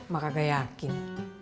mak kagak yakin